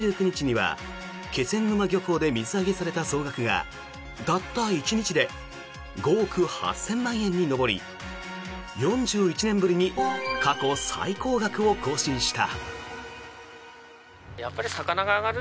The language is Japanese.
このビンチョウマグロの豊漁で先月２９日には気仙沼漁港で水揚げされた総額がたった１日で５億８０００万円に上り４１年ぶりに過去最高額を更新した。